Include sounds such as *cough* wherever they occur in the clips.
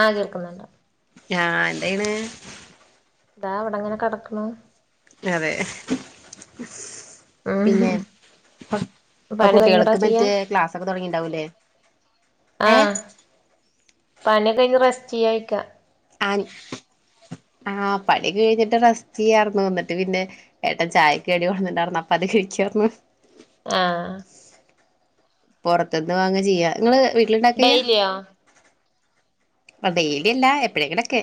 ആ കേൾക്കുന്നുണ്ട് ഞാൻ എന്തെയ്ണ് ദാ അവിടങ്ങനെ കിടക്കണു അതെ ഉം പിന്നെ ഇപ്പം പണി കഴിഞ്ഞ് ഇപ്പകുട്ടികൾക്ക് റസ്റ്റ് ചെയ്യാ പറ്റിയ ക്ലാസ്സൊക്കെ തുടങ്ങിയട്ടുണ്ടാവില്ലേ ഏ ആഹ് ചെയ്യാനിക്കാ ആ ആ പണിക്കെ കഴിഞ്ഞിട്ട് റസ്റ്റ് ചെയ്യായിർന്നു എന്നിട്ട് പിന്നെ ഏട്ടൻ ചായക്കടി കൊണ്ടുവന്നിട്ടുണ്ടായിരുന്നു അപ്പ അത് കഴിക്കാരുന്നു ആഹ് പൊറത്ത്ന്ന് വാങ്ങിയാ ചെയ്യാ നിങ്ങള് വീട്ടിലിണ്ടാക്ക്യ ഡെയിലിയോ അ ഡെയ്ലി അല്ല എപ്പഴെങ്കിലൊക്കെ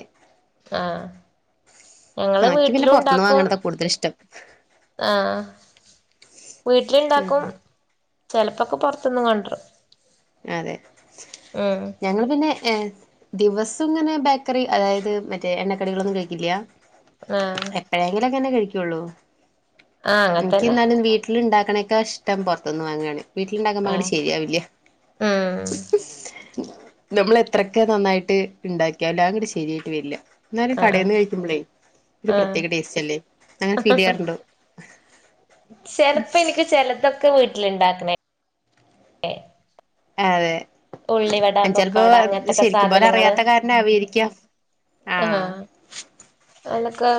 ആ ഞങ്ങള് എനിക്ക് പിന്നെ വീട്ടിലും പുറത്തുനിന്ന് ഉണ്ടാക്കും വാങ്ങണതാ കൂടുതൽ ഇഷ്ടം ആ വീട്ടിലുണ്ടാക്കും ഉം ചെലപ്പൊക്കെ പൊറത്തുന്നും വാങ്ങിത്തരും അതെ ഞങ്ങൾ പിന്നെ ഏ ദിവസം ഇങ്ങനെ ബേക്കറി അതായത് മറ്റേ എണ്ണക്കടികളൊന്നും കഴിക്കില്ല ആഹ് എപ്പഴങ്കിലൊക്കെ ഒന്ന് കഴിക്കും ക്കുള്ളൂ ആഹ് അങ്ങനത്തന്നെ എനിക്കിന്നാലും വീട്ടിൽ ഇണ്ടാക്ക അനേക്കായിഷ്ടം പുറത്തിന്ന് വാങ്ങാണ് വീട്ടിലിണ്ടാക്കുമ്പ അങ്ങട് ശരിയാവില്യ ആ നമ്മൾ എത്രക്കെ നന്നായിട്ട് ഇണ്ടാക്കിയാലും അതൊരു ശരിയായിട്ട് വരില്ല എന്നാലും ആഹ് ആഹ് കടയിന്ന് കഴിക്കുമ്പോളേ ഒരു ആഹ് പ്രത്യേക ടേസ്റ്റ് അല്ലേ അങ്ങനെ ഫീൽ ചെയ്യാറുണ്ടോ ചിലപ്പോ എനിക്ക് ചിലതൊക്കെ വീട്ടി ലിണ്ടാക്കണേ അതെ ഉള്ളിവട ചെലപ്പോ പൊക്കവട അങ്ങനത്തക്കെ ശരിക്കും പോലെ സാധനങ്ങള് അറിയാത്ത കാരണാവായിരിക്കാം ആഹ ആഹ് അതൊക്കെ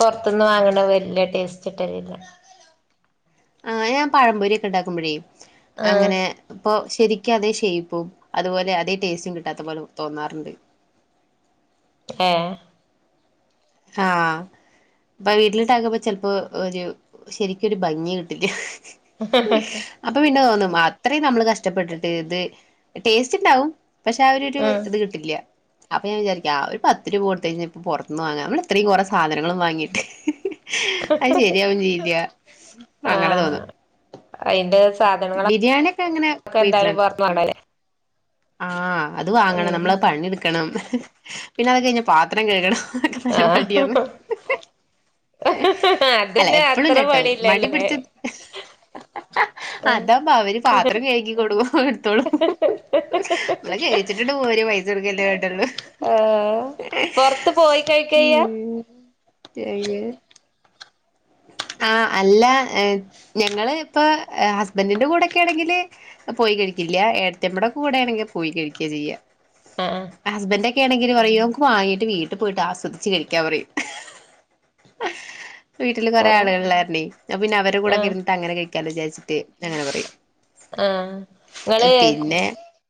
പൊറത്തൊന്ന് വാങ്ങണ വല്യ ടേസ്റ്റ് കിട്ടണില്ല ആ ഞാൻ പഴംപൊരി ഒക്കെ ഉണ്ടാക്കുമ്പൊഴേ ആഹ് അങ്ങനെ ഇപ്പൊ ശ എനിക്ക് അതേ ഷേയ്പ്പും അതുപോലെ അതേ ടേസ്റ്റും കിട്ടാത്ത പോലെ തോന്നാറുണ്ട് ഏ ആ അപ്പ വീട്ടിലിണ്ടാക്കുമ്പോ ചിലപ്പോ ഒരു ശരിക്കൊരു ഭംഗി കിട്ടില്ല അപ്പ പിന്നെ തോന്നും അത്രയും നമ്മള് കഷ്ടപ്പെട്ടിട്ട് ഇത് ടേസ്റ്റ് ഇണ്ടാവും പക്ഷെ ആ ഒരുരു ഉം ഇത് കിട്ടില്ല അപ്പൊ ഞാൻ വിചാരിക്കും ആ ഒരു പത്ത് രൂപ പോട്ടെ ഇനിയിപ്പെ പുറത്തന്ന് വാങ്ങ നമ്മൾ ഇത്രയും കുറെ സാധനങ്ങളും വാങ്ങീട്ട് അത് ശരിയാകും ചെയ്യില്ല അങ്ങനെ ആഹ് തോന്നും അയിന്റെ സാധനങ്ങളൊക്കെ ബിരിയാണിയൊക്കെ അങ്ങനെ എന്തായാലും വീട്ടിലാണ് പൊറത്ത്ന്ന് വാങ്ങണല്ലേ ആ അത് വാങ്ങണം ഉം നമ്മള് പണിയെടുക്കണം പിന്നെ അത് കയിഞ്ഞ് പാത്രം കഴുകണം അതക്കെ നല്ല ആഹ് മടിയാന്ന്. അല്ല അതിന്നെ എപ്പോളും അത്ര ഇല്ലാട്ടോ മടി പണിയില്ലല്ലോല്ലേ പിടിച്ച അതാവുമ്പോ അവര് പാത്രം കഴുകിക്കോളും നമ്മളെ കഴിച്ചിട്ടിട്ട് പോര് പൈസ കൊടുക്കല്ലേ വേണ്ടുള്ളൂ ആഹ് പൊറത്ത് പോയി കഴിക്കയ്യ ആ അല്ല ഞങ്ങള് ഇപ്പ ഹസ്ബൻറിന്റെ കൂടെയൊക്കെ ആണെങ്കില് പോയി കഴിക്കില്ല ഏടത്തമ്മടെ ഒക്കെ കൂടെ ആണെങ്കില് പോയി കഴിക്ക ചെയ്യാ ആഹ് ഹസ്ബെൻഡെ നെണെങ്കിൽ പറയും നമ്ക് വാങ്ങിട്ട് വീട്ടിൽ പോയിട്ട് ആസ്വദിച്ച് കഴിക്കാ പറയും *unintelligible* ആഹ് പിന്നെ അവരെ കൂടെ ഇര്ന്ന്ട്ടങ്ങനെ കഴി വിചാരിച്ചിട്ട് അങ്ങനെ പറയും ആ പിന്നെ ഇങ്ങള്